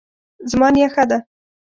زما نیا ښه ده